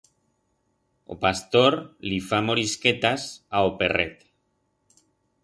O pastor li fa morisquetas a o perret.